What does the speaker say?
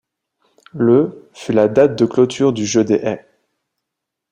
Le fut la date de clôture du Jeu des haies.